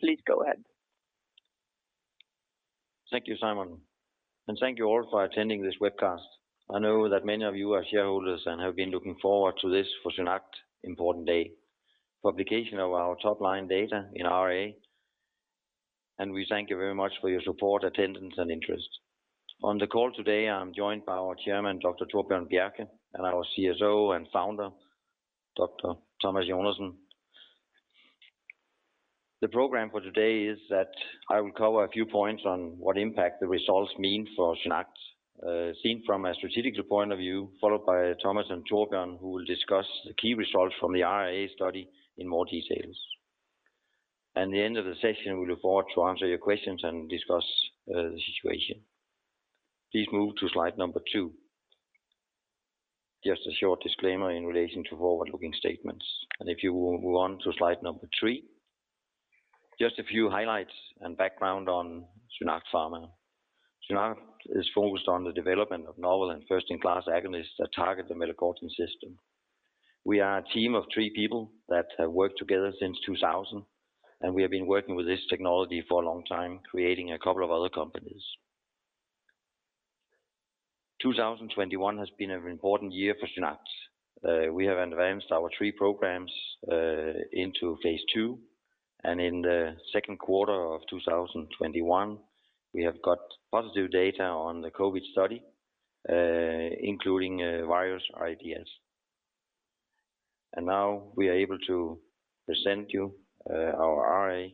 Please go ahead. Thank you, Simon, and thank you all for attending this webcast. I know that many of you are shareholders and have been looking forward to this, for SynAct, important day. Publication of our top-line data in RA, and we thank you very much for your support, attendance, and interest. On the call today, I'm joined by our chairman, Dr. Torbjørn Bjerke, and our CSO and founder, Dr. Thomas Jonassen. The program for today is that I will cover a few points on what impact the results mean for SynAct, seen from a strategic point of view, followed by Thomas and Thorbjørn, who will discuss the key results from the RA study in more details. At the end of the session, we look forward to answer your questions and discuss the situation. Please move to slide number two. Just a short disclaimer in relation to forward-looking statements. If you will move on to slide number three. Just a few highlights and background on SynAct Pharma. SynAct is focused on the development of novel and first-in-class agonists that target the melanocortin system. We are a team of three people that have worked together since 2000, and we have been working with this technology for a long time, creating a couple of other companies. 2021 has been an important year for SynAct. We have advanced our three programs into phase II, and in the second quarter of 2021, we have got positive data on the COVID study, including ARDS. Now we are able to present you our RA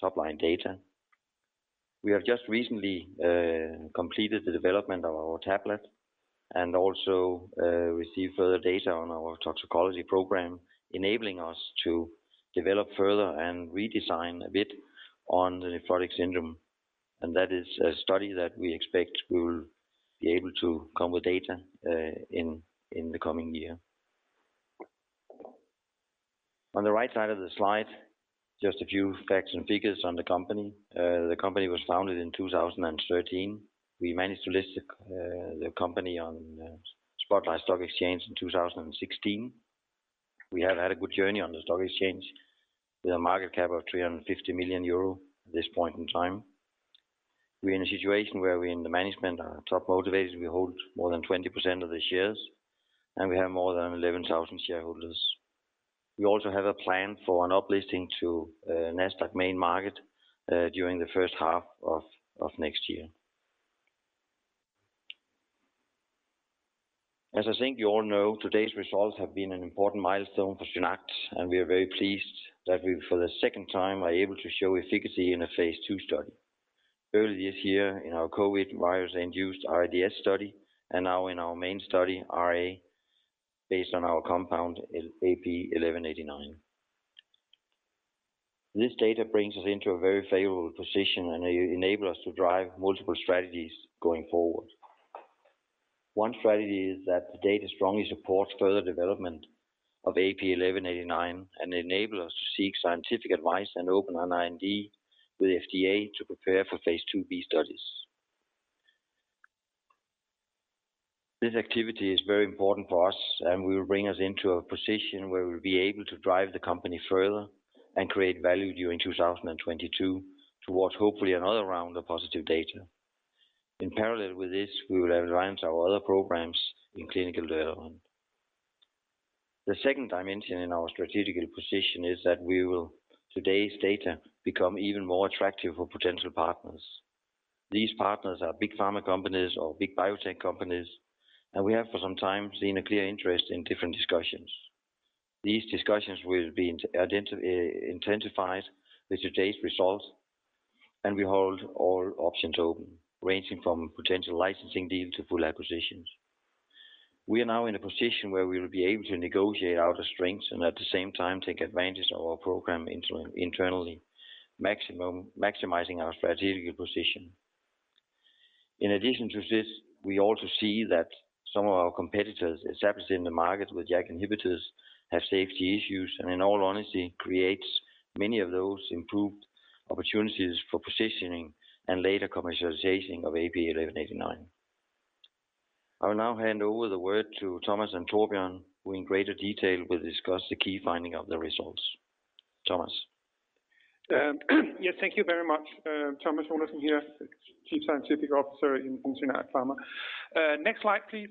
top-line data. We have just recently completed the development of our tablet and also received further data on our toxicology program, enabling us to develop further and redesign a bit on the nephrotic syndrome. That is a study that we expect we will be able to come with data in the coming year. On the right side of the slide, just a few facts and figures on the company. The company was founded in 2013. We managed to list the company on the Spotlight Stock Market in 2016. We have had a good journey on the stock exchange with a market cap of 350 million euro at this point in time. We're in a situation where we in the management are top motivated. We hold more than 20% of the shares, and we have more than 11,000 shareholders. We also have a plan for an up-listing to Nasdaq main market during the first half of next year. As I think you all know, today's results have been an important milestone for SynAct, and we are very pleased that we, for the second time, are able to show efficacy in a phase II study. Earlier this year in our COVID virus-induced RDS study, and now in our main study, RA, based on our compound AP1189. This data brings us into a very favorable position and enable us to drive multiple strategies going forward. One strategy is that the data strongly supports further development of AP1189 and enable us to seek scientific advice and open an IND with the FDA to prepare for phase II-B studies. This activity is very important for us, and will bring us into a position where we'll be able to drive the company further and create value during 2022 towards hopefully another round of positive data. In parallel with this, we will advance our other programs in clinical development. The second dimension in our strategic position is that with today's data, we become even more attractive for potential partners. These partners are big pharma companies or big biotech companies, and we have for some time seen a clear interest in different discussions. These discussions will be intensified with today's results, and we hold all options open, ranging from potential licensing deal to full acquisitions. We are now in a position where we will be able to negotiate our strengths and at the same time take advantage of our program internally, maximizing our strategical position. In addition to this, we also see that some of our competitors established in the market with JAK inhibitors have safety issues, and in all honesty, creates many of those improved opportunities for positioning and later commercialization of AP1189. I will now hand over the word to Thomas and Torbjørn, who in greater detail will discuss the key finding of the results. Thomas. Yes thank you very much. Thomas Jonassen here, Chief Scientific Officer in SynAct Pharma. Next slide, please.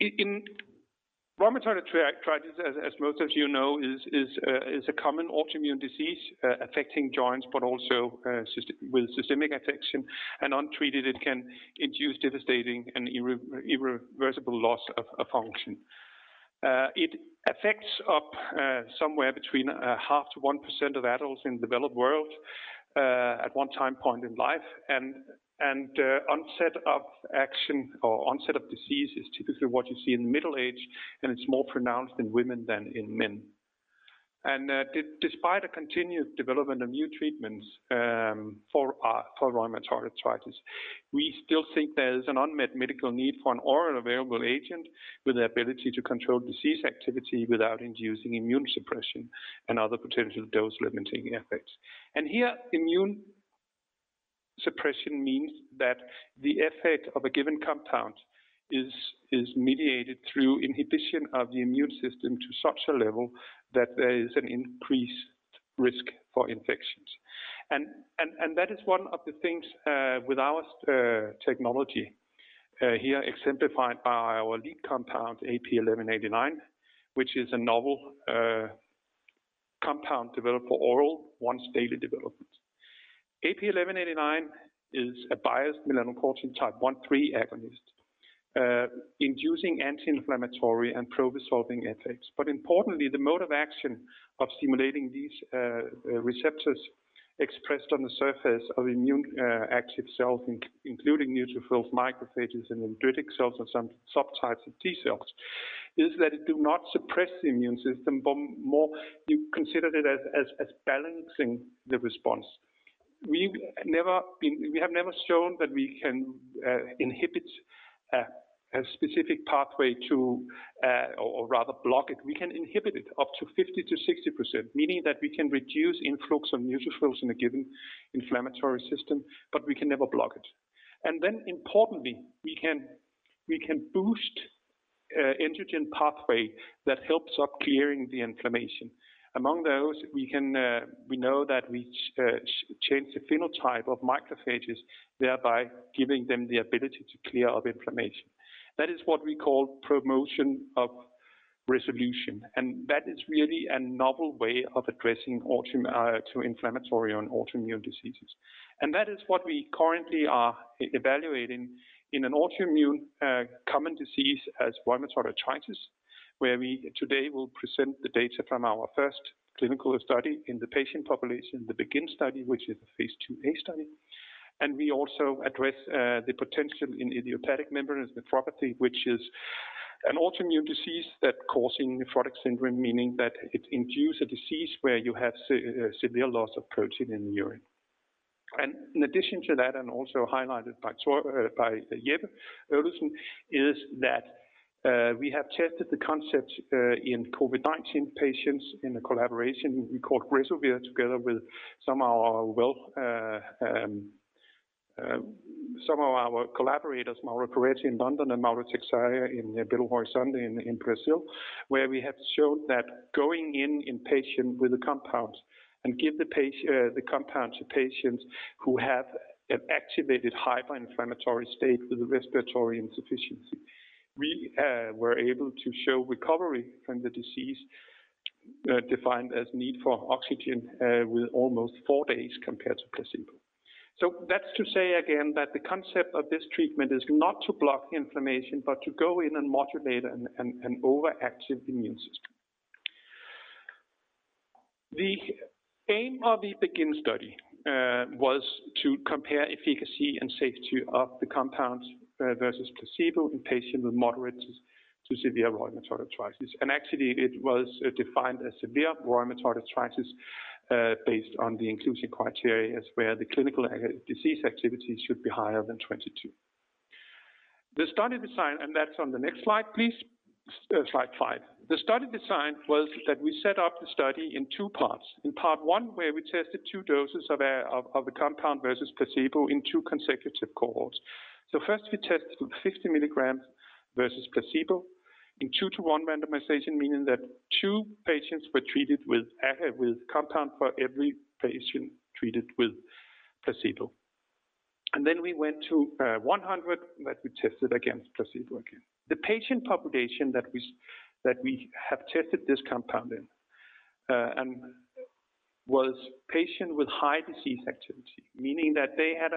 In rheumatoid arthritis, as most of you know, it is a common autoimmune disease, affecting joints but also with systemic affection. Untreated, it can induce devastating and irreversible loss of function. It affects somewhere between 0.5%-1% of adults in the developed world at one time point in life. Onset of disease is typically what you see in middle age, and it's more pronounced in women than in men. Despite a continued development of new treatments for rheumatoid arthritis, we still think there is an unmet medical need for an oral available agent with the ability to control disease activity without inducing immune suppression and other potential dose-limiting effects. Here, immune suppression means that the effect of a given compound is mediated through inhibition of the immune system to such a level that there is an increased risk for infections. That is one of the things with our technology here exemplified by our lead compound AP1189, which is a novel compound developed for oral once daily development. AP1189 is a biased melanocortin type 1/3 agonist inducing anti-inflammatory and pro-resolving effects. Importantly, the mode of action of stimulating these receptors expressed on the surface of immune active cells including neutrophils, macrophages, and dendritic cells or some subtypes of T cells is that it do not suppress the immune system, but more you consider it as balancing the response. We have never shown that we can inhibit a specific pathway to or rather block it. We can inhibit it up to 50%-60%, meaning that we can reduce influx of neutrophils in a given inflammatory system, but we can never block it. Importantly, we can boost endogenous pathway that helps in clearing the inflammation. Among those we know that we change the phenotype of macrophages, thereby giving them the ability to clear up inflammation. That is what we call promotion of resolution, and that is really a novel way of addressing autoimmune to inflammatory and autoimmune diseases. That is what we currently are evaluating in an autoimmune common disease as rheumatoid arthritis, where we today will present the data from our first clinical study in the patient population, the BEGIN study, which is a phase II-A study. We also address the potential in idiopathic membranous nephropathy, which is an autoimmune disease that causing nephrotic syndrome, meaning that it induce a disease where you have severe loss of protein in urine. In addition to that, and also highlighted by Torbjørn Bjerke and Jeppe Øvlesen, we have tested the concept in COVID-19 patients in a collaboration we called RESOVIR, together with some of our collaborators, Mauro Perretti in London and Mauro Teixeira in Belo Horizonte in Brazil, where we have shown that going in patients with the compound to patients who have an activated hyperinflammatory state with a respiratory insufficiency. We were able to show recovery from the disease, defined as need for oxygen, with almost four days compared to placebo. That's to say again that the concept of this treatment is not to block inflammation, but to go in and modulate an overactive immune system. The aim of the BEGIN study was to compare efficacy and safety of the compound versus placebo in patients with moderate to severe rheumatoid arthritis. Actually, it was defined as severe rheumatoid arthritis based on the inclusion criteria as where the clinical disease activity should be higher than 22. The study design, that's on the next slide, please. Slide five. The study design was that we set up the study in two parts. In part one, where we tested two doses of the compound versus placebo in two consecutive cohorts. First we tested 50 mg versus placebo in two to one randomization, meaning that two patients were treated with compound for every patient treated with placebo. Then we went to 100 that we tested against placebo again. The patient population that we have tested this compound in and was patients with high disease activity, meaning that they had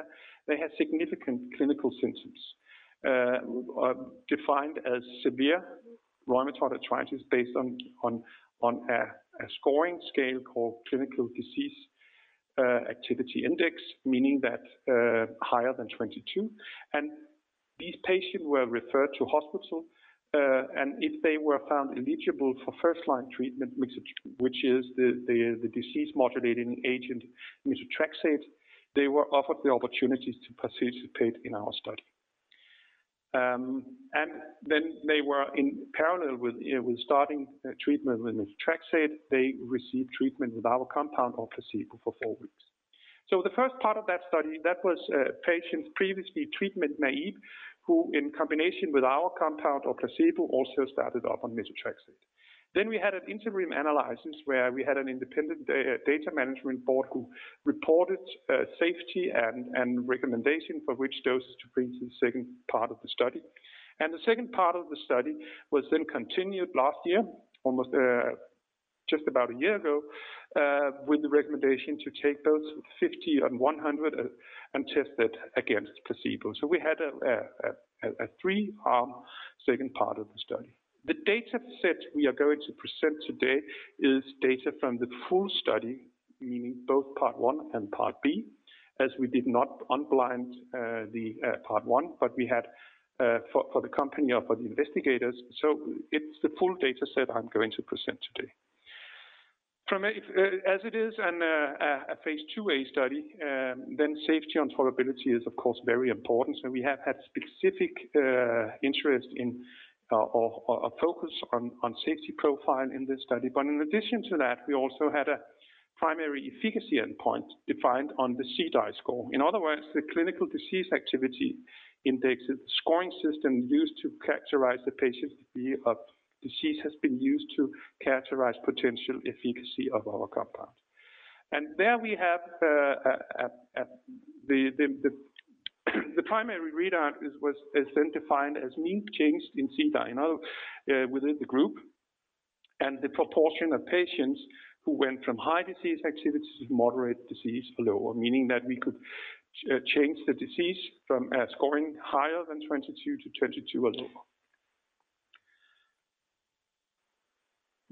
significant clinical symptoms defined as severe rheumatoid arthritis based on a scoring scale called Clinical Disease Activity Index, meaning that higher than 22. These patients were referred to hospital and if they were found eligible for first-line treatment, methotrexate, which is the disease-modifying agent methotrexate, they were offered the opportunity to participate in our study. Then they were in parallel with starting treatment with methotrexate. They received treatment with our compound or placebo for four weeks. The first part of that study that was patients previously treatment-naive, who in combination with our compound or placebo, also started up on methotrexate. We had an interim analysis where we had an independent data management board who reported safety and recommendation for which doses to bring to the second part of the study. The second part of the study was then continued last year, almost just about a year ago, with the recommendation to take those 50 and 100 and test it against placebo. We had a three-arm second part of the study. The data set we are going to present today is data from the full study, meaning both part one and part B, as we did not unblind the part one, but we had for the company or for the investigators. It's the full data set I'm going to present today. As it is a phase II-A study, safety and tolerability is of course very important. We have had specific interest in or a focus on safety profile in this study. In addition to that, we also had a primary efficacy endpoint defined on the CDAI score. In other words, the clinical disease activity index, the scoring system used to characterize the patient's degree of disease has been used to characterize potential efficacy of our compound. There we have the primary readout is, was then defined as mean change in CDAI within the group, and the proportion of patients who went from high disease activity to moderate disease or lower, meaning that we could change the disease from a scoring higher than 22 to 22 or lower.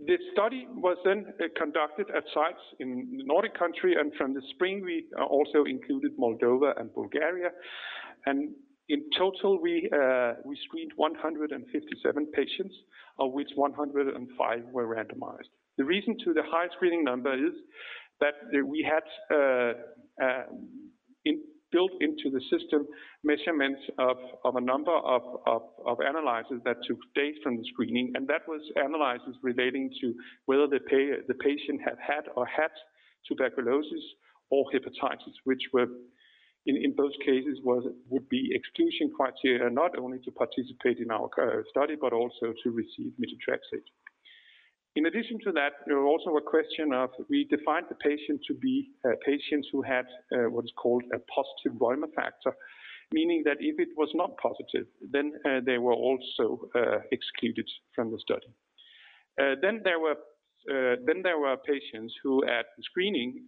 The study was then conducted at sites in the Nordic country, and from the spring, we also included Moldova and Bulgaria. In total, we screened 157 patients, of which 105 were randomized. The reason for the high screening number is that we had built-in to the system measurements of a number of analyses that took data from the screening, and that was analyses relating to whether the patient had or had tuberculosis or hepatitis, which, in those cases, would be exclusion criteria, not only to participate in our study, but also to receive methotrexate. In addition to that, there was also a question of we defined the patient to be patients who had what is called a positive rheumatoid factor, meaning that if it was not positive, then they were also excluded from the study. Then there were patients who at screening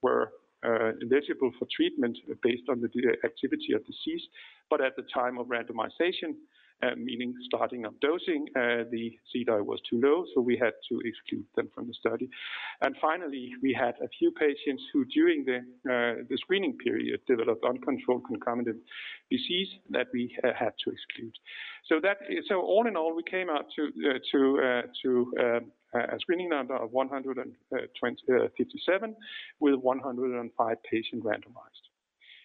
were eligible for treatment based on the activity of disease. But at the time of randomization, meaning starting up dosing, the CDAI was too low, so we had to exclude them from the study. Finally, we had a few patients who during the screening period developed uncontrolled concomitant disease that we had to exclude. All in all, we came out to a screening number of 157 with 105 patients randomized.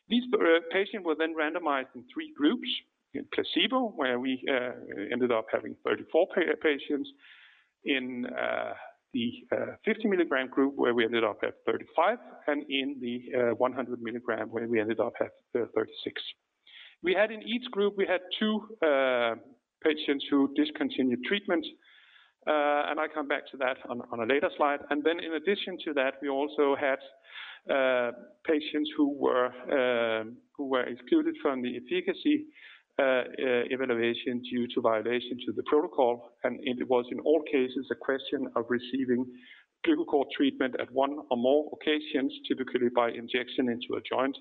These patients were then randomized in three groups, in placebo where we ended up having 34 patients, in the 50-mg group where we ended up at 35, and in the 100-mg group where we ended up at 36. We had in each group two patients who discontinued treatment, and I come back to that on a later slide. In addition to that, we also had patients who were excluded from the efficacy evaluation due to violation to the protocol. It was in all cases a question of receiving glucocorticoid treatment at one or more occasions, typically by injection into a joint.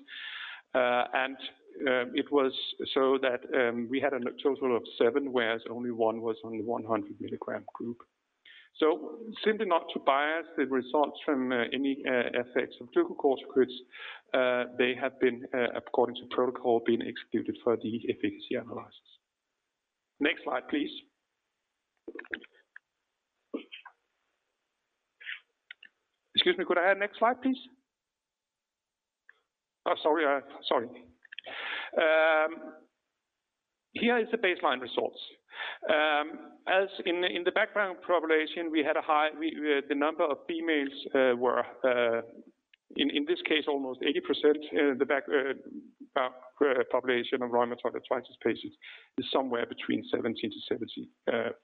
It was so that we had a total of seven, whereas only one was on the 100 mg group. Simply not to bias the results from any effects of glucocorticoids, they have been according to protocol excluded for the efficacy analysis. Next slide, please. Excuse me, could I have next slide, please? Oh, sorry. Sorry. Here is the baseline results. As in the background population, we had. The number of females were in this case almost 80%. In the background population of rheumatoid arthritis patients is somewhere between 70%-75%.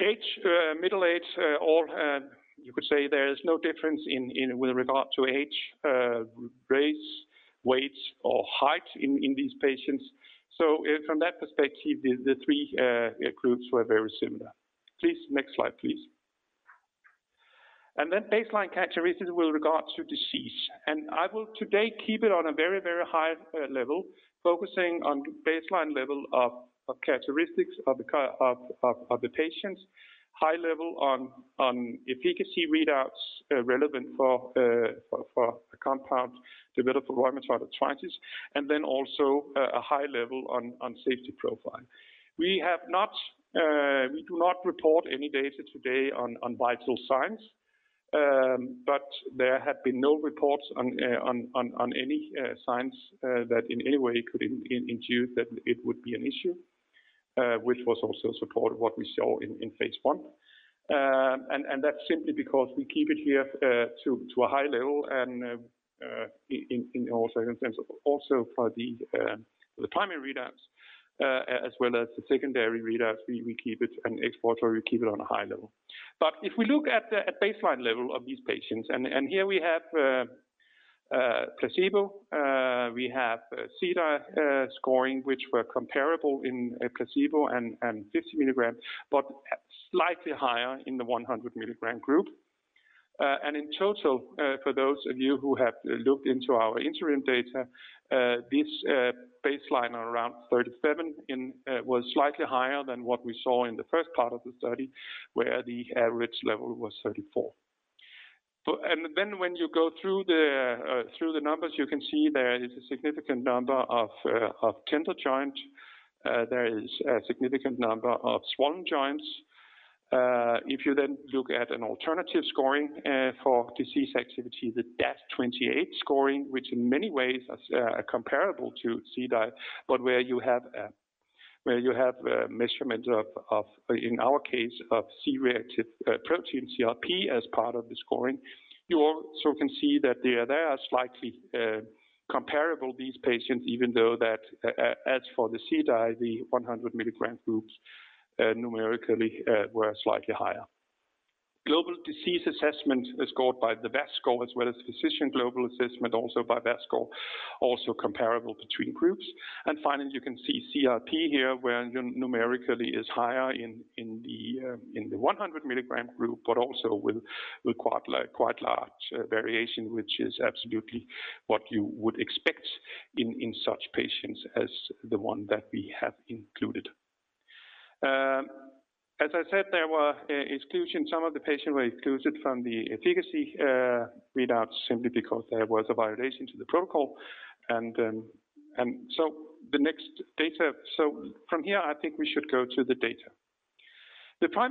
Age, middle age. All, you could say there is no difference in with regard to age, race, weight, or height in these patients. From that perspective, the three groups were very similar. Please, next slide, please. Baseline characteristics with regard to disease. I will today keep it on a very, very high level, focusing on baseline level of characteristics of the patients, high level on efficacy readouts relevant for the compound developed for rheumatoid arthritis, and then also a high level on safety profile. We have not; we do not report any data today on vital signs, but there have been no reports on any signs that in any way could induce that it would be an issue, which was also supported by what we saw in phase I. That's simply because we keep it here to a high level and also in terms of the primary readouts as well as the secondary readouts, we keep it exploratory on a high level. If we look at the baseline level of these patients, and here we have placebo, we have CDAI scoring, which were comparable in placebo and 50 milligrams, but slightly higher in the 100 milligram group. In total, for those of you who have looked into our interim data, this baseline around 37 was slightly higher than what we saw in the first part of the study, where the average level was 34. When you go through the numbers, you can see there is a significant number of tender joint. There is a significant number of swollen joints. If you then look at an alternative scoring for disease activity, the DAS28 scoring, which in many ways is comparable to CDAI, but where you have measurement of, in our case, of C-reactive protein, CRP, as part of the scoring. You also can see that they are slightly comparable, these patients, even though that as for the CDAI, the 100 mg groups numerically were slightly higher. Global disease assessment is scored by the VAS score as well as physician global assessment also by VAS score, also comparable between groups. Finally, you can see CRP here, where numerically is higher in the 100 mg group, but also with quite large variation, which is absolutely what you would expect in such patients as the one that we have included. As I said, there were exclusions. Some of the patients were excluded from the efficacy readouts simply because there was a violation to the protocol. From here, I think we should go to the data. Before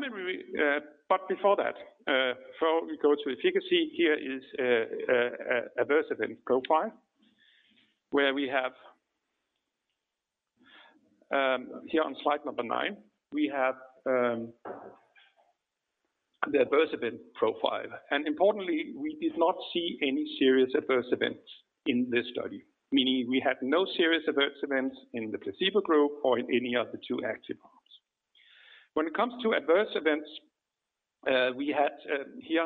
that, before we go to efficacy, here is an adverse event profile, where we have, here on slide number nine, we have the adverse event profile. Importantly, we did not see any serious adverse events in this study, meaning we had no serious adverse events in the placebo group or in any of the two active arms. When it comes to adverse events, here,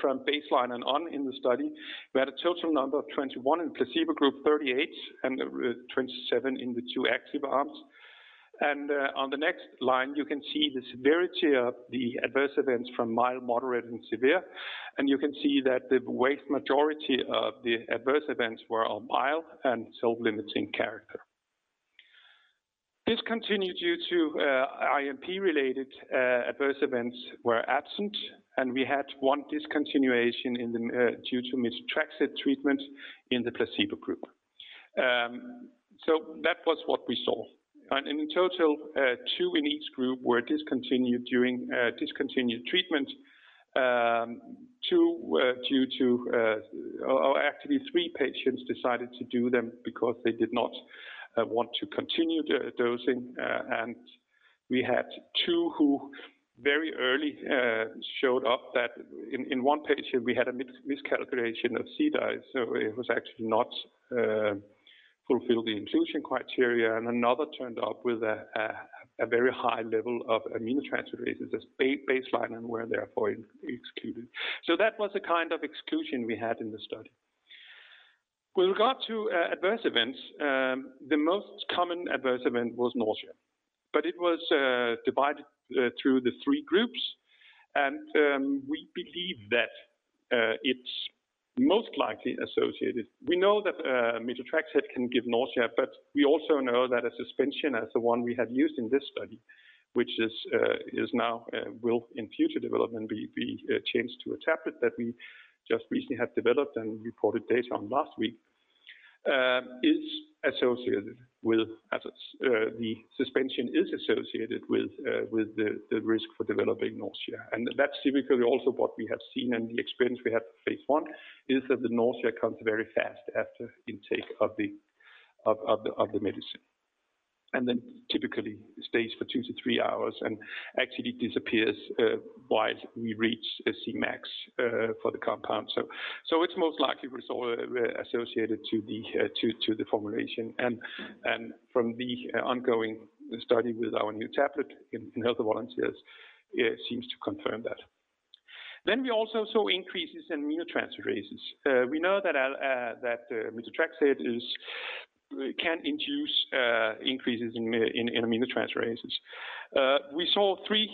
from baseline and on in the study, we had a total number of 21 in placebo group, 38, and 27 in the two active arms. On the next line, you can see the severity of the adverse events from mild, moderate, and severe. You can see that the vast majority of the adverse events were all mild and self-limiting character. Discontinued due to IMP-related adverse events were absent, and we had one discontinuation due to methotrexate treatment in the placebo group. That was what we saw. In total, two in each group were discontinued during discontinued treatment, two due to, or actually three patients decided to do them because they did not want to continue dosing. We had two who very early showed up that in one patient, we had a miscalculation of CDAI, so it was actually not fulfill the inclusion criteria. Another turned up with a very high level of aminotransferase as baseline and were therefore excluded. That was the kind of exclusion we had in the study. With regard to adverse events, the most common adverse event was nausea, but it was divided through the three groups. We believe that it's most likely associated. We know that methotrexate can give nausea, but we also know that a suspension as the one we had used in this study, which will in future development be changed to a tablet that we just recently have developed and reported data on last week, is associated with the risk for developing nausea. That's typically also what we have seen and the experience we had with phase I is that the nausea comes very fast after intake of the medicine, and then typically stays for two to three hours and actually disappears while we reach a Cmax for the compound. It's most likely associated to the formulation. From the ongoing study with our new tablet in healthy volunteers, it seems to confirm that. We also saw increases in aminotransferases. We know that methotrexate can induce increases in aminotransferases. We saw three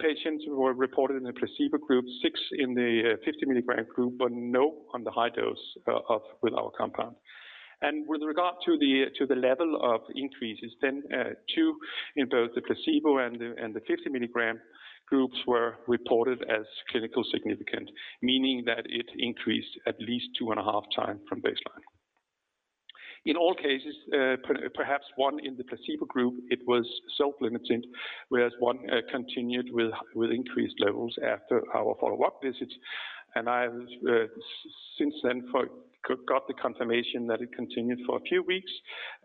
patients who were reported in the placebo group, six in the 50-mg group, but none on the high dose with our compound. With regard to the level of increases, two in both the placebo and the 50 mg groups were reported as clinically significant, meaning that it increased at least 2.5 time from baseline. In all cases, perhaps one in the placebo group, it was self-limiting, whereas one continued with increased levels after our follow-up visits. I've since then forgotten the confirmation that it continued for a few weeks,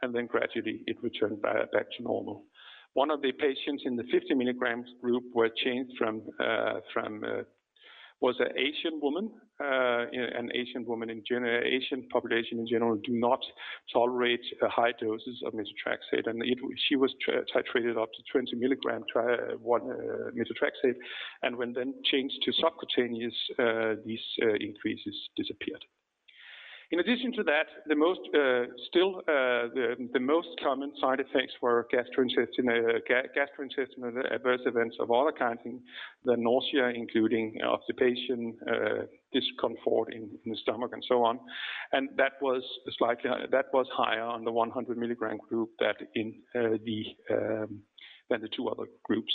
and then gradually it returned back to normal. One of the patients in the 50 mg group was an Asian woman in general. Asian population in general do not tolerate high doses of methotrexate, and she was titrated up to 20 mg methotrexate, and when changed to subcutaneous, these increases disappeared. In addition to that, the most common side effects were gastrointestinal adverse events of all kinds including nausea, including constipation, discomfort in the stomach, and so on. That was slightly higher. That was higher on the 100 mg group than in the two other groups.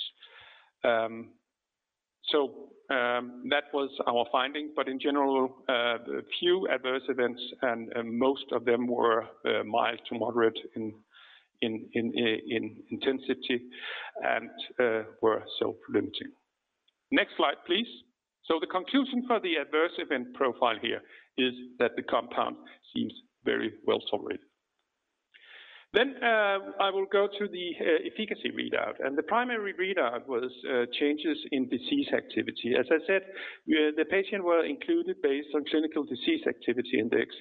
That was our finding. In general, few adverse events, and most of them were mild to moderate in intensity and were self-limiting. Next slide, please. The conclusion for the adverse event profile here is that the compound seems very well tolerated. I will go to the efficacy readout. The primary readout was changes in disease activity. As I said, the patient were included based on clinical disease activity index,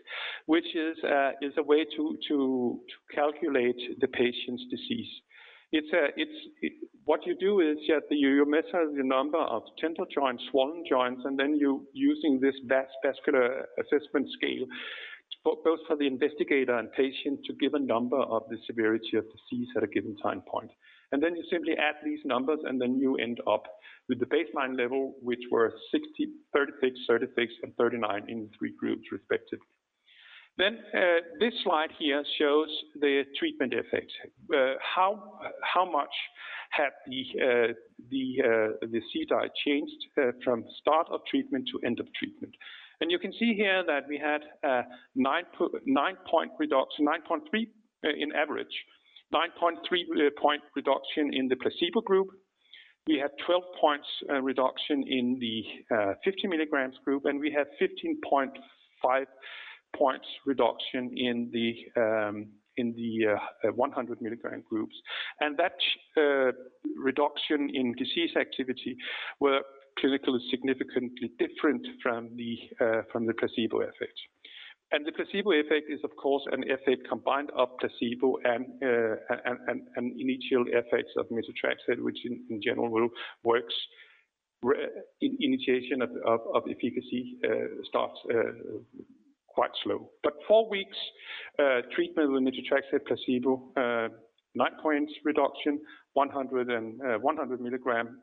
which is a way to calculate the patient's disease. What you do is that you measure the number of tender joints, swollen joints, and then using this VAS, visual analogue scale, both for the investigator and patient to give a number of the severity of disease at a given time point. You simply add these numbers, and then you end up with the baseline level, which were 60, 36, and 39 in the three groups respective. This slide here shows the treatment effect. How much had the CDAI changed from start of treatment to end of treatment. You can see here that we had 9.3 point reduction on average in the placebo group. We had 12 points reduction in the 50 mg group, and we had 15.5 points reduction in the 100 mg groups. That reduction in disease activity were clinically significantly different from the placebo effect. The placebo effect is, of course, an effect combined of placebo and initial effects of methotrexate, which in general rule works in initiation of efficacy starts quite slow. Four weeks treatment with methotrexate placebo, 9 points reduction. 100 milligram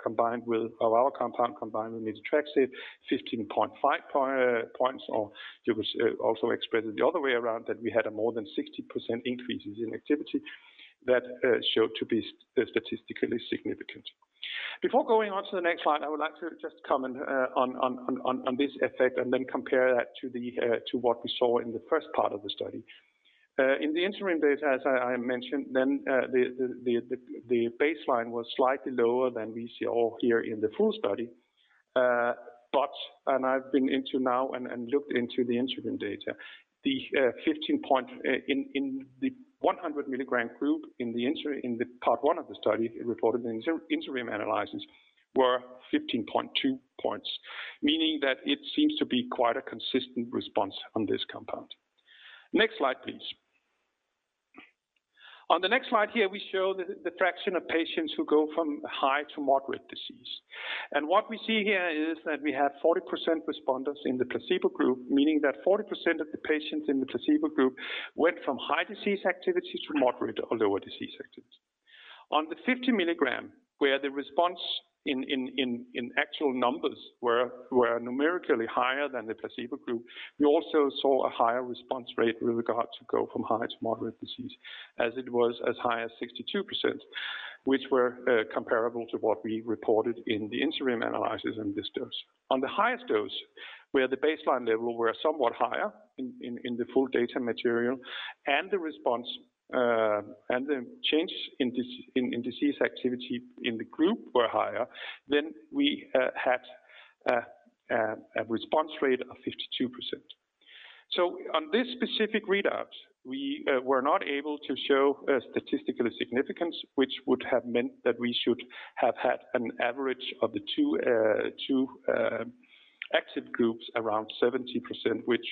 combined with our compound combined with methotrexate, 15.5 points or it was also expressed the other way around that we had a more than 60% increases in activity that showed to be statistically significant. Before going on to the next slide, I would like to just comment on this effect and then compare that to what we saw in the first part of the study. In the interim data, as I mentioned, the baseline was slightly lower than we see now here in the full study. I've been into now and looked into the interim data, 15.2 in the 100 milligram group in the part one of the study reported in interim analysis were 15.2 points, meaning that it seems to be quite a consistent response on this compound. Next slide, please. On the next slide here, we show the fraction of patients who go from high to moderate disease. What we see here is that we have 40% responders in the placebo group, meaning that 40% of the patients in the placebo group went from high disease activities to moderate or lower disease activities. On the 50 mg, where the response in actual numbers were numerically higher than the placebo group, we also saw a higher response rate with regard to go from high to moderate disease, as it was as high as 62%, which were comparable to what we reported in the interim analysis in this dose. On the highest dose, where the baseline level were somewhat higher in the full data material, and the response and the change in disease activity in the group were higher, then we had a response rate of 52%. On this specific readouts, we were not able to show statistical significance, which would have meant that we should have had an average of the two active groups around 70%, which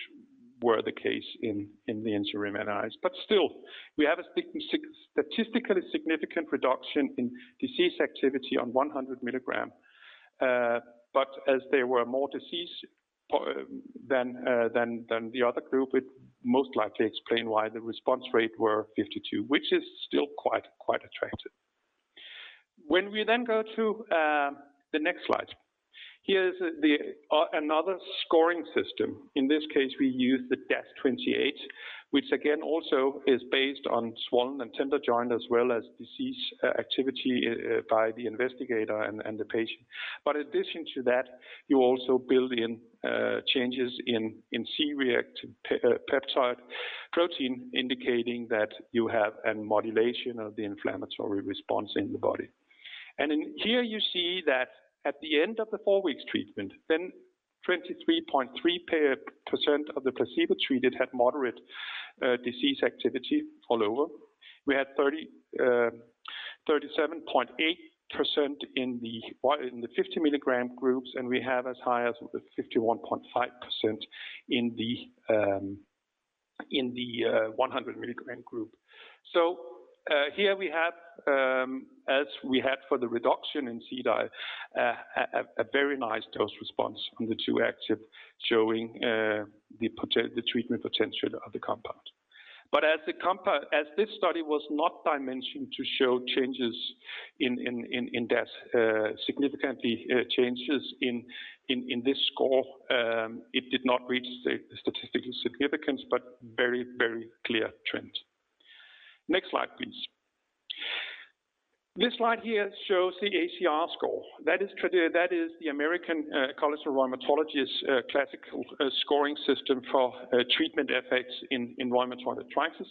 were the case in the interim analysis. Still, we have a statistically significant reduction in disease activity on 100 mg. But as there were more disease than the other group, it most likely explain why the response rate were 52, which is still quite attractive. When we then go to the next slide, here is another scoring system. In this case, we use the DAS28, which again also is based on swollen and tender joint, as well as disease activity by the investigator and the patient. In addition to that, you also build in changes in C-reactive protein, indicating that you have a modulation of the inflammatory response in the body. In here, you see that at the end of the four weeks treatment, then 23.3% of the placebo-treated had moderate disease activity overall. We had 37.8% in the 50 mg groups, and we have as high as the 51.5% in the 100 mg group. Here we have, as we had for the reduction in CDAI, a very nice dose response from the two active, showing the treatment potential of the compound. As this study was not dimensioned to show changes in DAS significantly, changes in this score, it did not reach the statistical significance, but very clear trend. Next slide, please. This slide here shows the ACR score. That is the American College of Rheumatology's classical scoring system for treatment effects in rheumatoid arthritis.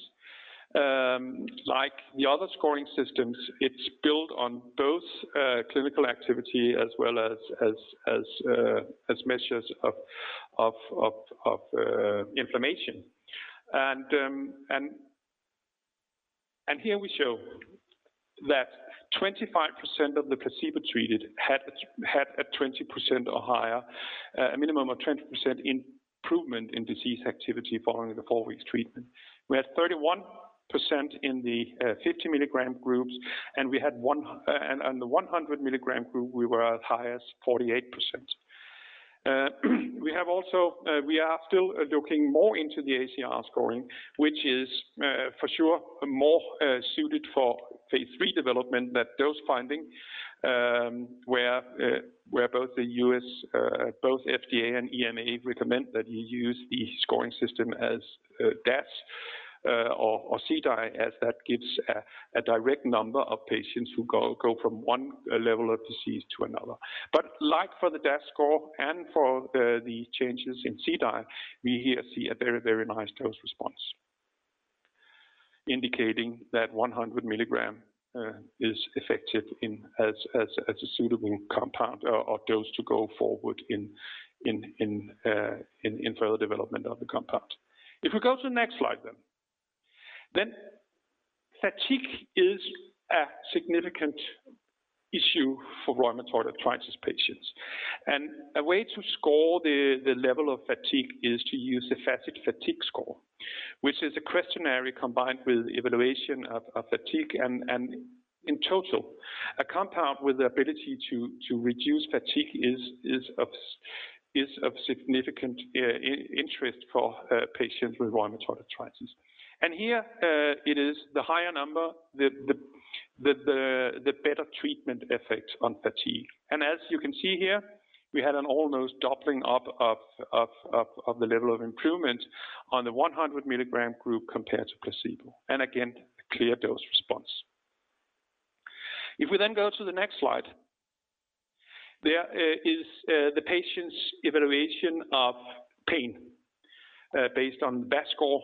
Like the other scoring systems, it's built on both clinical activity as well as measures of inflammation. Here we show that 25% of the placebo-treated had a 20% or higher, a minimum of 20% improvement in disease activity following the four weeks treatment. We had 31% in the 50 mg groups, and the 100 mg group, we were as high as 48%. We are still looking more into the ACR scoring, which is for sure more suited for phase III development than dose finding, where both the U.S. FDA and EMA recommend that you use the scoring system as DAS or CDAI, as that gives a direct number of patients who go from one level of disease to another. Like for the DAS score and for the changes in CDAI, we here see a very nice dose response indicating that 100 mg is effective as a suitable compound or dose to go forward in further development of the compound. If we go to the next slide. Fatigue is a significant issue for rheumatoid arthritis patients. A way to score the level of fatigue is to use the FACIT-Fatigue score, which is a questionnaire combined with evaluation of fatigue and in total, a compound with the ability to reduce fatigue is of significant interest for patients with rheumatoid arthritis. Here, it is the higher number the better treatment effect on fatigue. As you can see here, we had an almost doubling up of the level of improvement on the 100 milligram group compared to placebo, and again, a clear dose response. If we then go to the next slide, there is the patient's evaluation of pain based on VAS score.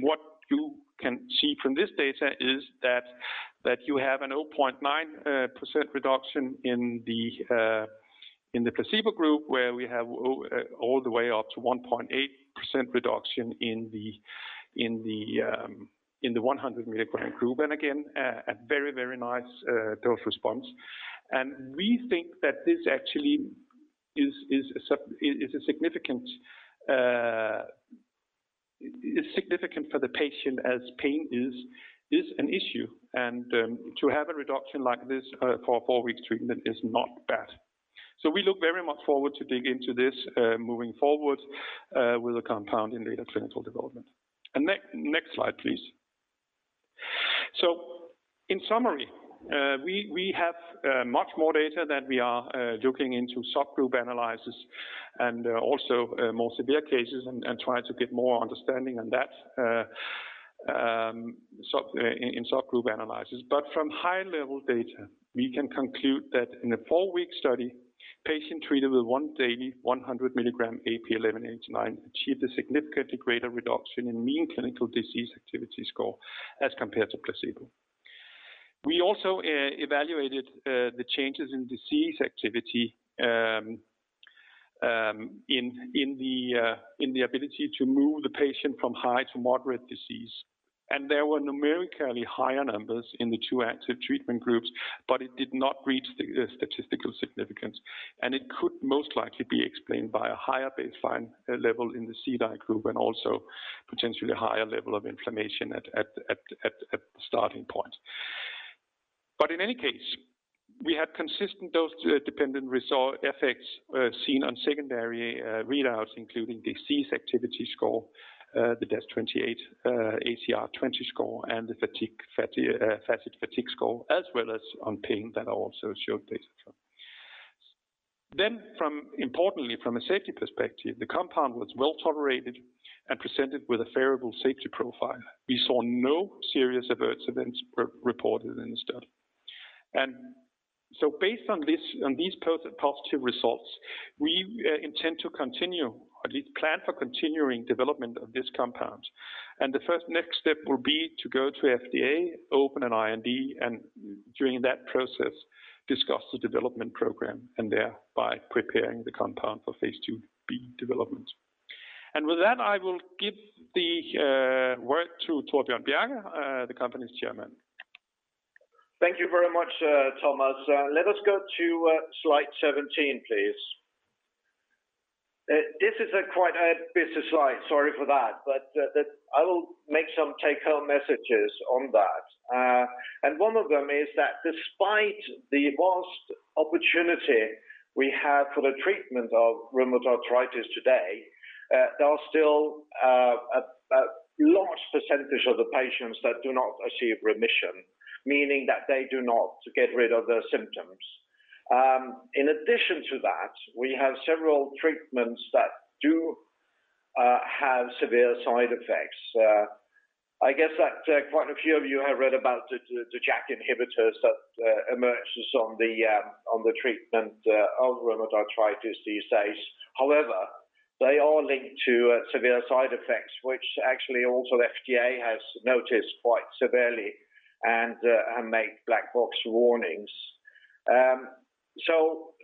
What you can see from this data is that you have a 0.9% reduction in the placebo group, where we have all the way up to 1.8% reduction in the 100 milligram group, and again, a very nice dose response. We think that this actually is significant for the patient as pain is an issue. To have a reduction like this for a four-week treatment is not bad. We look very much forward to dig into this moving forward with the compound in later clinical development. Next slide, please. In summary, we have much more data that we are looking into subgroup analysis and also more severe cases and trying to get more understanding on that in subgroup analysis. From high-level data, we can conclude that in a four-week study, patients treated with once daily 100 mg AP1189 achieved a significantly greater reduction in mean clinical disease activity score as compared to placebo. We also evaluated the changes in disease activity in the ability to move the patient from high to moderate disease. There were numerically higher numbers in the two active treatment groups, but it did not reach the statistical significance. It could most likely be explained by a higher baseline level in the CDAI group and also potentially a higher level of inflammation at the starting point. In any case, we had consistent dose-dependent result effects seen on secondary readouts, including disease activity score, the DAS28, ACR20 score, and the fatigue, FACIT-Fatigue Score, as well as on pain that I also showed data from. Importantly, from a safety perspective, the compound was well-tolerated and presented with a favorable safety profile. We saw no serious adverse events reported in the study. Based on this, on these positive results, we intend to continue or at least plan for continuing development of this compound. The first next step will be to go to FDA, open an IND, and during that process, discuss the development program and thereby preparing the compound for phase II-B development. With that, I will give the word to Torbjørn Bjerke, the company's Chairman. Thank you very much, Thomas. Let us go to slide 17, please. This is quite a busy slide. Sorry for that. I will make some take-home messages on that. One of them is that despite the vast opportunity we have for the treatment of rheumatoid arthritis today, there are still a large percentage of the patients that do not achieve remission, meaning that they do not get rid of their symptoms. In addition to that, we have several treatments that do have severe side effects. I guess that quite a few of you have read about the JAK inhibitors that emerges on the treatment of rheumatoid arthritis these days. However, they are linked to severe side effects, which actually also FDA has noticed quite severely and made black box warnings.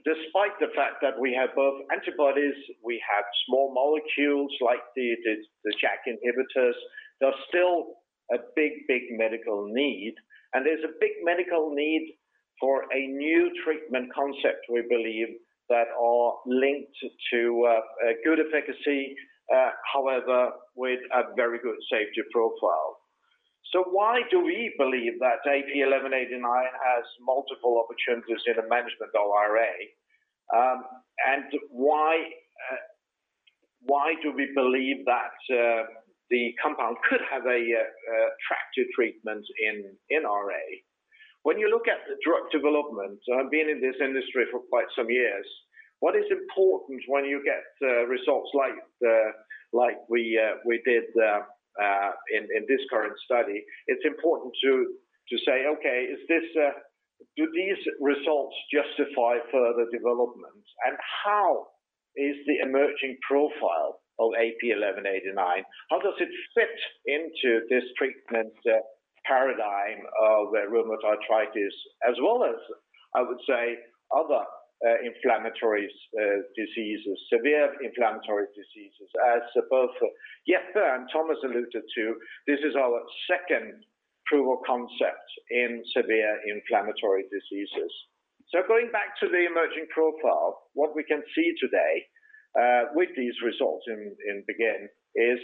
Despite the fact that we have both antibodies, we have small molecules like the JAK inhibitors, there's still a big medical need, and there's a big medical need for a new treatment concept, we believe, that are linked to a good efficacy, however, with a very good safety profile. Why do we believe that AP1189 has multiple opportunities in the management of RA? Why do we believe that the compound could have an attractive treatment in RA? When you look at the drug development, I've been in this industry for quite some years. What is important when you get results like we did in this current study, it's important to say, "Okay, do these results justify further development? And how is the emerging profile of AP1189, how does it fit into this treatment paradigm of rheumatoid arthritis, as well as, I would say, other inflammatory diseases, severe inflammatory diseases?" As both Jeppe and Thomas alluded to, this is our second proof of concept in severe inflammatory diseases. Going back to the emerging profile, what we can see today with these results in BEGIN is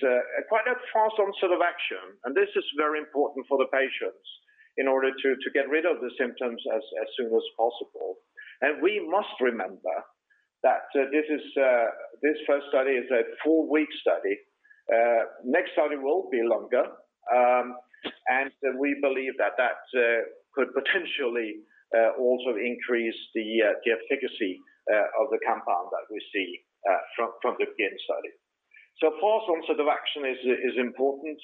quite a fast onset of action, and this is very important for the patients in order to get rid of the symptoms as soon as possible. We must remember that this first study is a four week study. Next study will be longer, and we believe that could potentially also increase the efficacy of the compound that we see from the BEGIN study. Fast onset of action is important.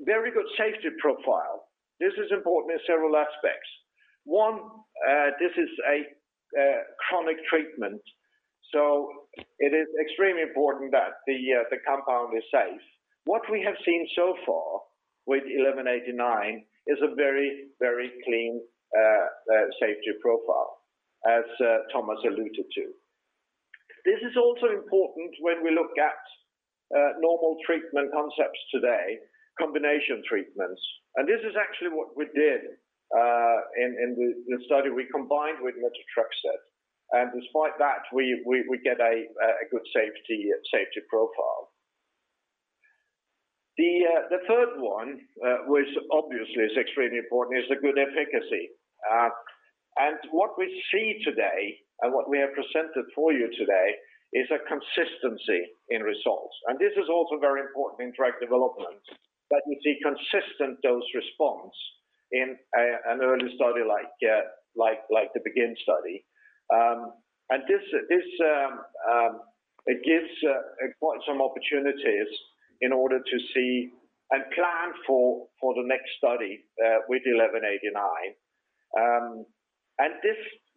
Very good safety profile. This is important in several aspects. One, this is a chronic treatment, so it is extremely important that the compound is safe. What we have seen so far with 1189 is a very clean safety profile, as Thomas alluded to. This is also important when we look at normal treatment concepts today, combination treatments, and this is actually what we did in the study. We combined with methotrexate, and despite that, we get a good safety profile. The third one, which obviously is extremely important, is a good efficacy. What we see today, and what we have presented for you today, is a consistency in results, and this is also very important in drug development, that you see consistent dose response in an early study like the BEGIN study. This gives quite some opportunities in order to see and plan for the next study with AP1189.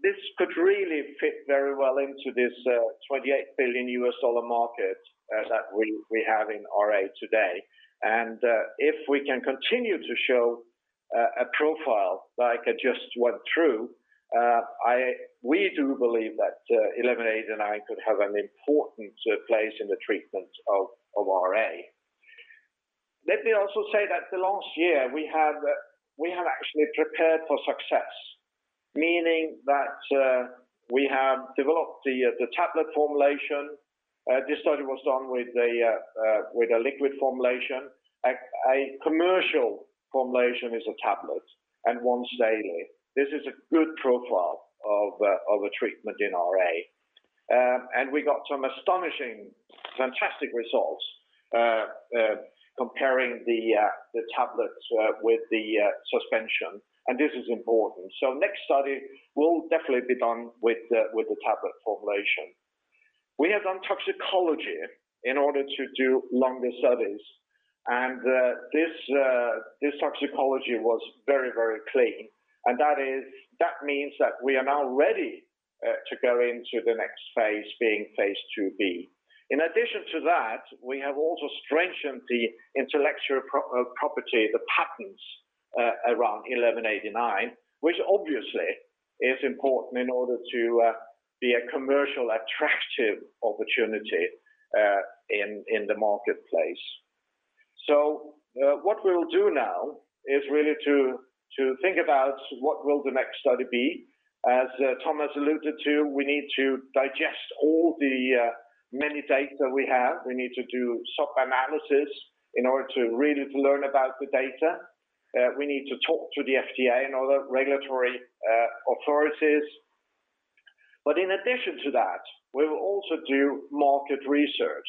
This could really fit very well into this $28 billion market that we have in RA today. If we can continue to show a profile like I just went through, we do believe that AP1189 could have an important place in the treatment of RA. Let me also say that the last year we have actually prepared for success, meaning that we have developed the tablet formulation. This study was done with a liquid formulation. A commercial formulation is a tablet and once daily. This is a good profile of a treatment in RA. We got some astonishing, fantastic results comparing the tablets with the suspension, and this is important. Next study will definitely be done with the tablet formulation. We have done toxicology in order to do longer studies, and this toxicology was very clean, and that means that we are now ready to go into the next phase, being phase II-B. In addition to that, we have also strengthened the intellectual property, the patents, around AP1189, which obviously is important in order to be a commercial attractive opportunity in the marketplace. What we will do now is really to think about what will the next study be. As Thomas alluded to, we need to digest all the many data we have. We need to do sub-analysis in order to really learn about the data. We need to talk to the FDA and other regulatory authorities. In addition to that, we will also do market research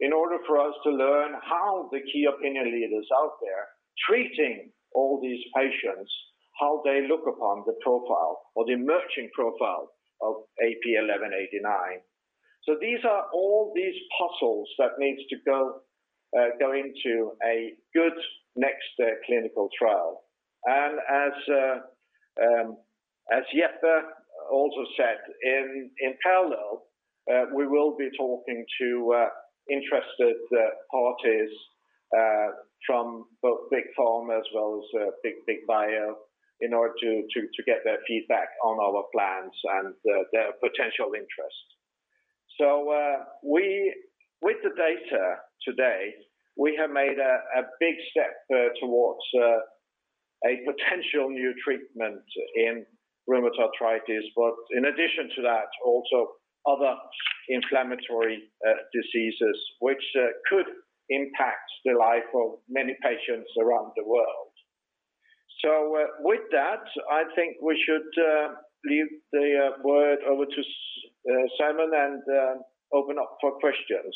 in order for us to learn how the key opinion leaders out there treating all these patients, how they look upon the profile or the emerging profile of AP1189. These are all these puzzles that needs to go into a good next clinical trial. As Jeppe also said, in parallel we will be talking to interested parties from both big pharma as well as big bio in order to get their feedback on our plans and their potential interest. With the data today, we have made a big step towards a potential new treatment in rheumatoid arthritis, but in addition to that, also other inflammatory diseases which could impact the life of many patients around the world. With that, I think we should leave the word over to Simon and open up for questions.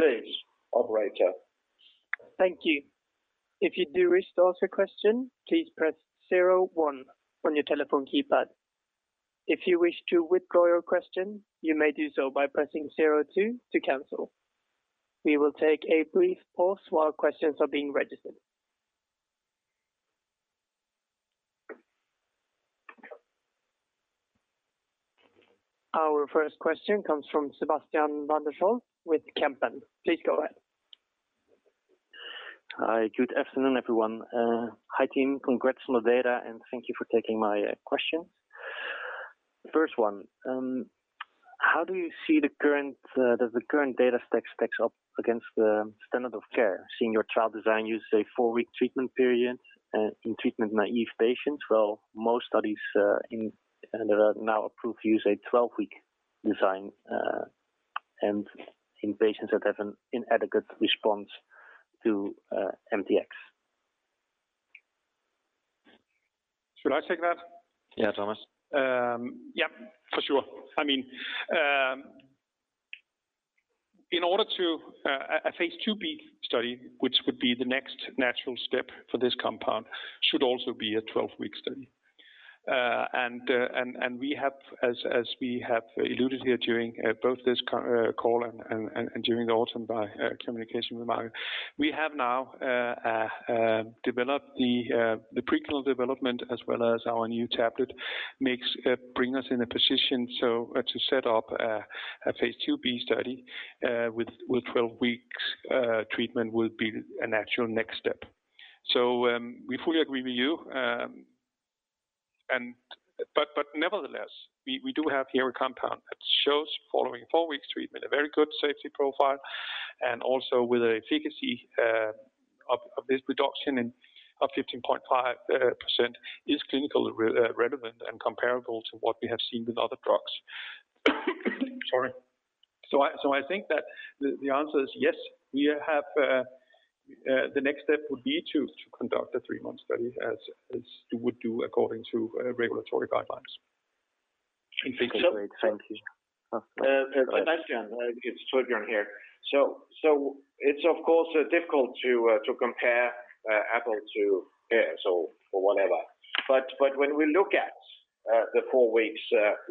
Please, operator. Thank you. If you do wish to ask a question, please press zero, one on your telephone keypad. If you wish to withdraw your question, you may do so by pressing zero, two to cancel. We will take a brief pause while questions are being registered. Our first question comes from Sebastiaan van der Schoot with Kempen. Please go ahead. Hi, good afternoon, everyone. Hi, team. Congrats on the data, and thank you for taking my questions. First one, does the current data stack up against the standard of care, seeing your trial design uses a four week treatment period in treatment-naive patients, while most studies that are now approved use a 12-week design, and in patients that have an inadequate response to MTX? Should I take that? Yeah, Thomas. For sure. I mean, in order to a phase II-B study, which would be the next natural step for this compound, should also be a 12-week study. We have, as we have alluded here during both this call and during the autumn by communication with Mauro, we have now developed the preclinical development as well as our new tablet formulation brings us in a position to set up a phase II-B study with 12 weeks treatment will be a natural next step. We fully agree with you. Nevertheless, we do have here a compound that shows following four weeks treatment, a very good safety profile and also with efficacy of this reduction in 15.5% is clinically relevant and comparable to what we have seen with other drugs. Sorry. I think that the answer is yes, we have the next step would be to conduct a three-month study as you would do according to regulatory guidelines. Okay. Great. Thank you. Sebastiaan, it's Torbjørn here. It's of course difficult to compare apples to oranges or whatever. When we look at the four week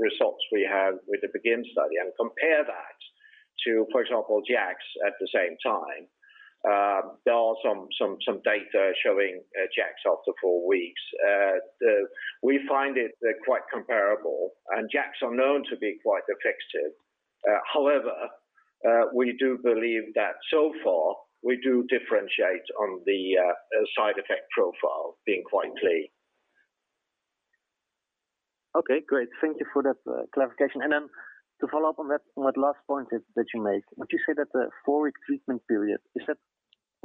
results we have with the BEGIN study and compare that to, for example, JAKs at the same time, there are some data showing JAKs after four weeks. We find it quite comparable, and JAKs are known to be quite effective. However, we do believe that so far we do differentiate on the side effect profile being quite clear. Okay, great. Thank you for that, clarification. To follow up on that last point that you made, would you say that the four-week treatment period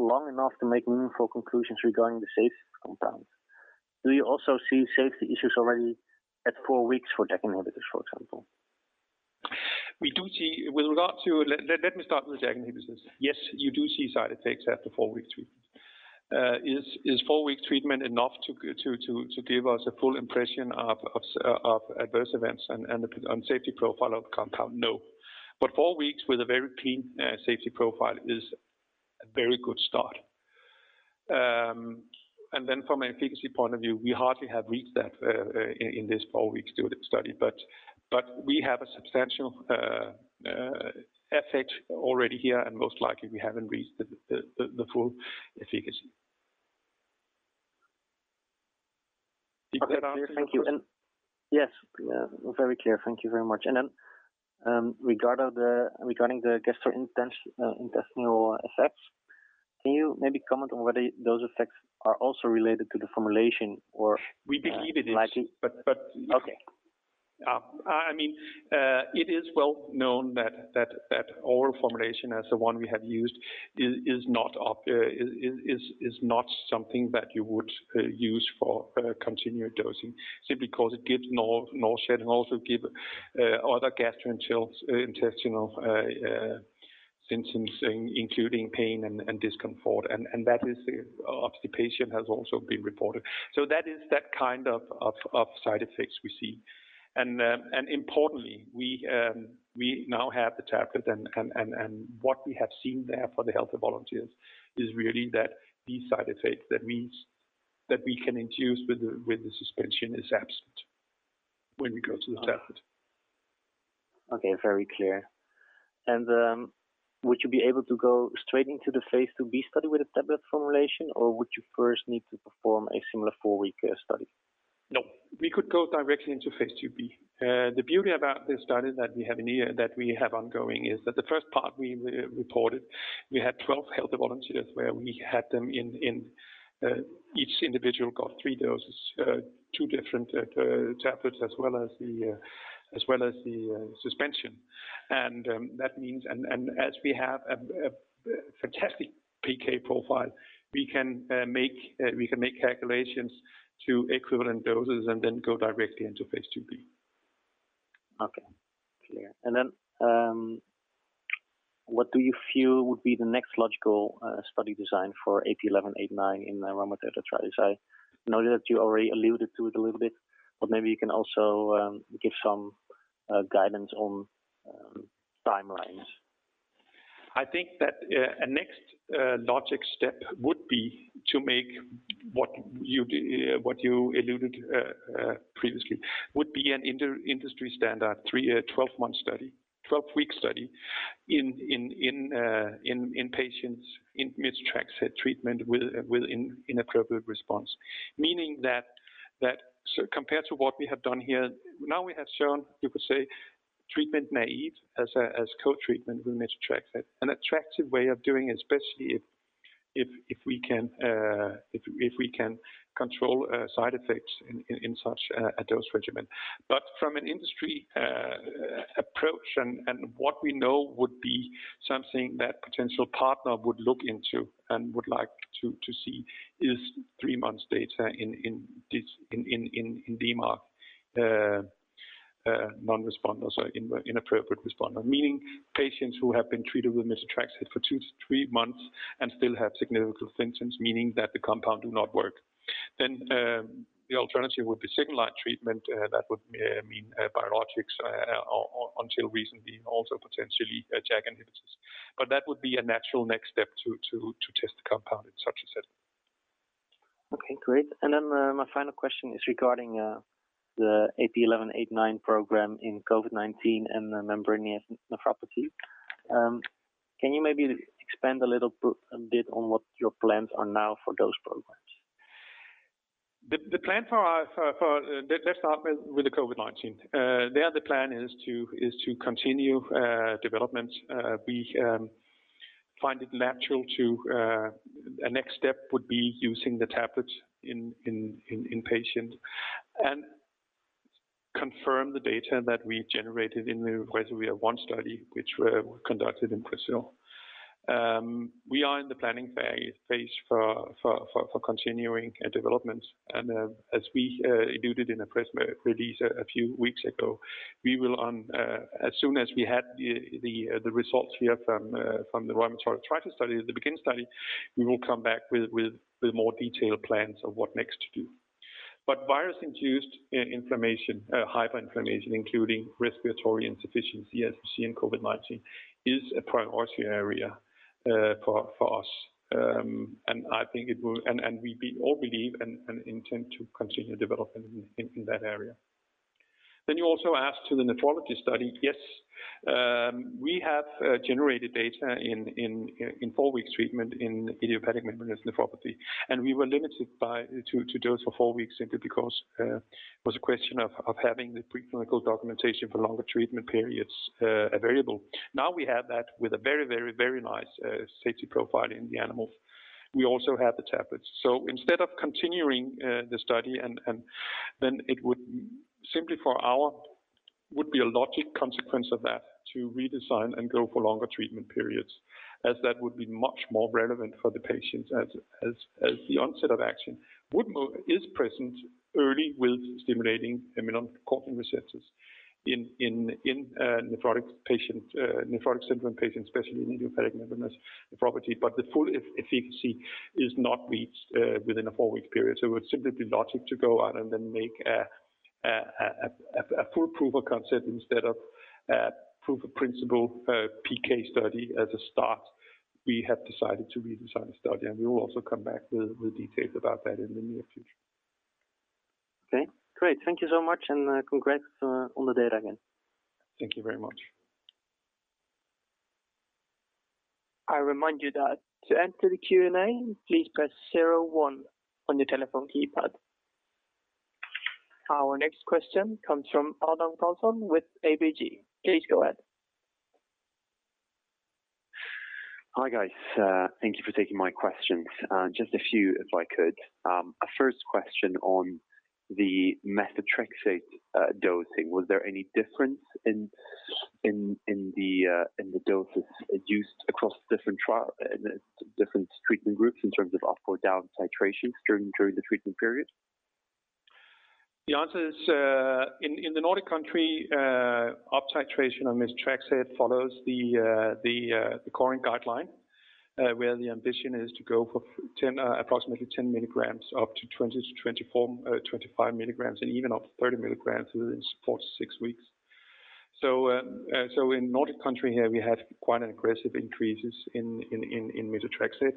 is long enough to make meaningful conclusions regarding the safety of the compound? Do you also see safety issues already at four weeks for JAK inhibitors, for example? We do see with regard to let me start with JAK inhibitors. Yes, you do see side effects after four-week treatment. Is four week treatment enough to give us a full impression of adverse events and the safety profile of compound? No. But four weeks with a very clean safety profile is a very good start. From an efficacy point of view, we hardly have reached that in this four-week study. We have a substantial effect already here, and most likely, we haven't reached the full efficacy. Okay. Thank you. Yes, yeah, very clear. Thank you very much. Regarding the gastrointestinal effects, can you maybe comment on whether those effects are also related to the formulation or- We believe it is. Likely. But, but- Okay. I mean, it is well known that oral formulation as the one we have used is not something that you would use for continued dosing simply because it gives nausea and also gives other gastrointestinal symptoms including pain and discomfort. That is the obvious. The patients have also reported. That is that kind of side effects we see. Importantly, we now have the tablet and what we have seen there for the healthy volunteers is really that these side effects, that means that we can induce with the suspension is absent when we go to the tablet. Okay, very clear. Would you be able to go straight into the phase II-B study with a tablet formulation, or would you first need to perform a similar four-week study? No, we could go directly into phase II-B. The beauty about this study that we have in here, that we have ongoing, is that the first part we re-reported, we had 12 healthy volunteers where we had them in, each individual got three doses, two different tablets, as well as the suspension. That means as we have a fantastic PK profile, we can make calculations to equivalent doses and then go directly into phase II-B. Okay. Clear. What do you feel would be the next logical study design for AP1189 in rheumatoid arthritis? I know that you already alluded to it a little bit, but maybe you can also give some guidance on timelines. I think that a next logical step would be to make what you alluded to previously would be an industry standard 12-month study, 12-week study in patients in methotrexate treatment with inappropriate response. Meaning that so compared to what we have done here, now we have shown you could say treatment naive as a co-treatment with methotrexate. An attractive way of doing especially if we can control side effects in such a dose regimen. From an industry approach and what we know would be something that potential partner would look into and would like to see is three months data in this DMARD non-responders or inappropriate responder. Patients who have been treated with methotrexate for two to three months and still have significant symptoms, meaning that the compound do not work. The alternative would be second-line treatment. That would mean biologics until recently, and also potentially JAK inhibitors. That would be a natural next step to test the compound in such a setting. Okay, great. My final question is regarding the AP1189 program in COVID-19 and membranous nephropathy. Can you maybe expand a little bit on what your plans are now for those programs? Let's start with the COVID-19. There the plan is to continue development. We find it natural to. A next step would be using the tablet in patient and confirm the data that we generated in the RESOVIR-1 study, which were conducted in Brazil. We are in the planning phase for continuing development. As we alluded in a press release a few weeks ago, we will on, as soon as we have the results here from the rheumatoid arthritis study, the BEGIN study, we will come back with more detailed plans of what next to do. Virus-induced inflammation, hyperinflammation, including respiratory insufficiency, as we see in COVID-19, is a priority area for us. I think it will. We all believe and intend to continue development in that area. You also asked about the nephrology study. Yes, we have generated data in four weeks treatment in idiopathic membranous nephropathy, and we were limited to dose for four weeks simply because it was a question of having the preclinical documentation for longer treatment periods available. Now we have that with a very nice safety profile in the animals. We also have the tablets. Instead of continuing the study and then it would simply for our. Would be a logical consequence of that to redesign and go for longer treatment periods, as that would be much more relevant for the patients as the onset of action is present early with stimulating immunoglobulin receptors in nephrotic syndrome patients, especially in idiopathic membranous nephropathy. The full efficacy is not reached within a four-week period. It would simply be logical to go out and then make a full proof-of-concept instead of a proof-of-principle PK study as a start. We have decided to redesign the study, and we will also come back with details about that in the near future. Okay, great. Thank you so much, and congrats on the data again. Thank you very much. Our next question comes from Adam Karlsson with ABG. Please go ahead. Hi guys. Thank you for taking my questions. Just a few if I could. A first question on the methotrexate dosing. Was there any difference in the doses used across different treatment groups in terms of up or down titration during the treatment period? The answer is in the Nordic country up titration on methotrexate follows the current guideline where the ambition is to go for approximately 10 mg up to 20-24 mg, 25 mg and even up to 30 mg within four, six weeks. In Nordic country here we have quite an aggressive increases in methotrexate,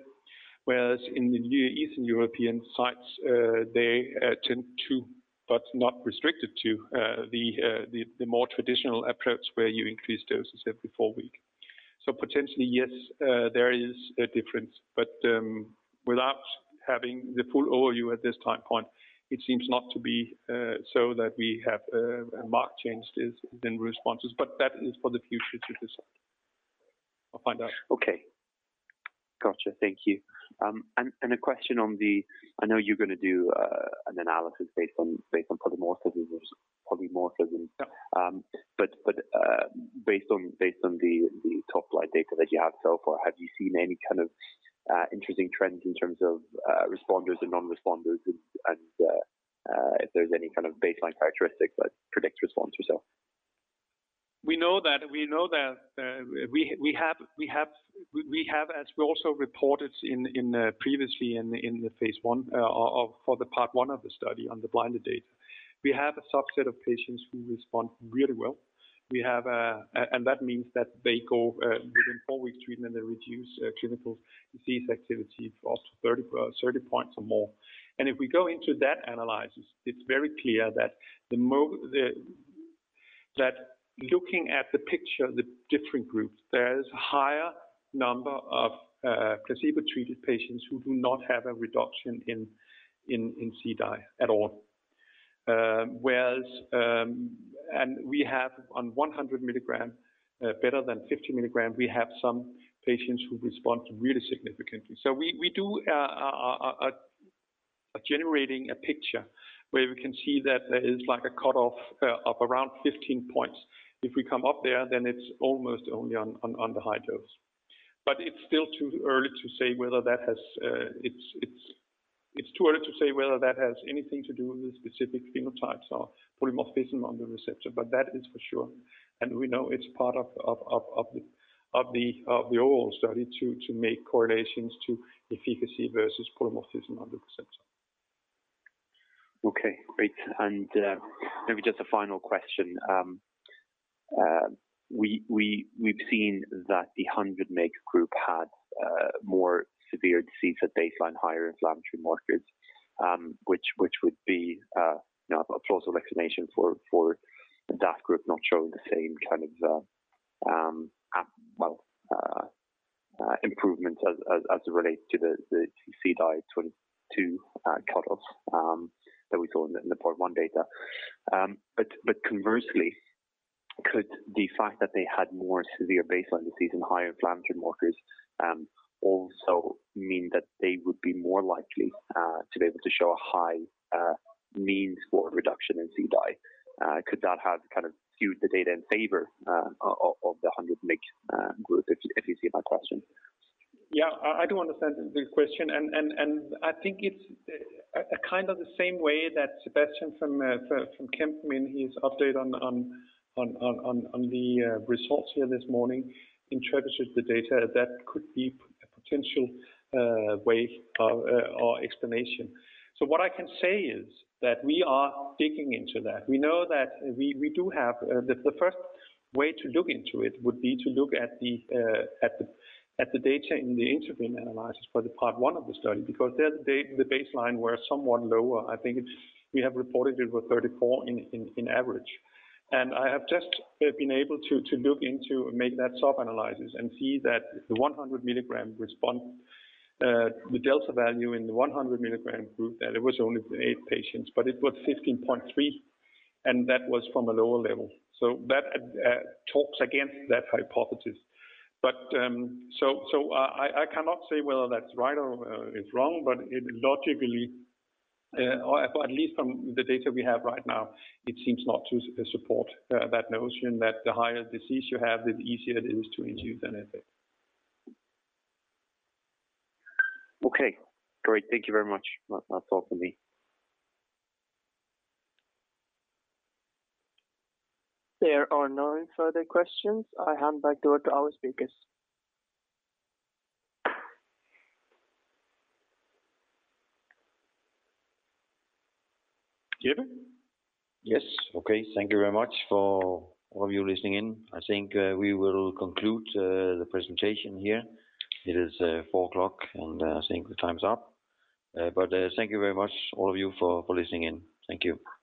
whereas in the Eastern European sites they tend to but not restricted to the more traditional approach where you increase doses every four weeks. Potentially, yes, there is a difference, but without having the full overview at this time point, it seems not to be so that we have marked changes in responses, but that is for the future to decide. I'll find out. Okay. Gotcha. Thank you. I know you're going to do an analysis based on polymorphism, but based on the top line data that you have so far, have you seen any kind of interesting trends in terms of responders and non-responders and if there's any kind of baseline characteristics that predicts response or so? We know that we have, as we also reported previously in the phase I for the part one of the study on the blinded data, we have a subset of patients who respond really well. We have and that means that they go within four weeks treatment, they reduce clinical disease activity for up to 30 points or more. If we go into that analysis, it's very clear that looking at the picture of the different groups, there is a higher number of placebo-treated patients who do not have a reduction in CDAI at all. Whereas we have on 100 mg better than 50 mg, we have some patients who respond really significantly. We are generating a picture where we can see that there is like a cutoff of around 15 points. If we come up there, then it's almost only on the high dose. It's still too early to say whether that has anything to do with specific phenotypes or polymorphism on the receptor, but that is for sure. We know it's part of the overall study to make correlations to efficacy versus polymorphism on the receptor. Okay, great. Maybe just a final question. We've seen that the 100 mg group had more severe disease at baseline, higher inflammatory markers, which would be, you know, a plausible explanation for that group not showing the same kind of improvements as it relates to the CDAI 22 cutoffs that we saw in the Part 1 data. Conversely, could the fact that they had more severe baseline disease and higher inflammatory markers also mean that they would be more likely to be able to show a high means for reduction in CDAI? Could that have kind of skewed the data in favor of the 100 mg group, if you see my question? Yeah, I do understand the question and I think it's kind of the same way that Sebastiaan from Kempen in his update on the results here this morning interpreted the data that could be a potential way or explanation. What I can say is that we are digging into that. We know that we do have. The first way to look into it would be to look at the data in the interim analysis for the part one of the study, because there the data, the baseline were somewhat lower. I think we have reported it was 34 on average. I have just been able to look into and make that sub-analysis and see that the 100 mg response, the delta value in the 100 mg group, that it was only eight patients, but it was 15.3, and that was from a lower level. That talks against that hypothesis. I cannot say whether that's right or it's wrong, but it logically, or at least from the data we have right now, it seems not to support that notion that the higher disease you have, the easier it is to induce an effect. Okay, great. Thank you very much. That's all for me. There are no further questions. I hand back over to our speakers. Jeppe? Yes. Okay. Thank you very much for all of you listening in. I think we will conclude the presentation here. It is 4:00 P.M., and I think the time's up. Thank you very much, all of you, for listening in. Thank you.